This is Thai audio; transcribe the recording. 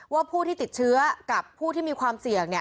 ผู้ที่ติดเชื้อกับผู้ที่มีความเสี่ยง